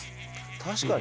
確かにね。